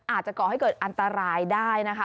ก่อให้เกิดอันตรายได้นะคะ